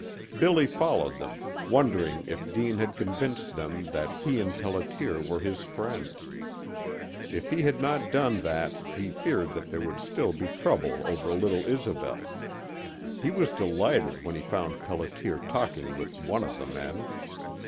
Billy followed them, wondering if Deane had convinced them that he and Pelliter were his friends. If he had not done that he feared that there would still be trouble over little Isobel. He was delighted when he found Pelliter talking with one of the men.